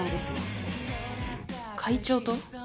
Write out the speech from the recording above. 会長と？